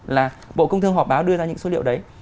là bộ công thương họp báo đưa ra những số liệu đấy